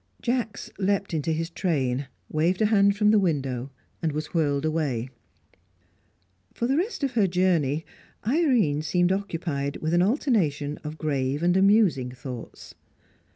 Jacks leapt into his train, waved a hand from the window, and was whirled away. For the rest of her journey, Irene seemed occupied with an alternation of grave and amusing thoughts.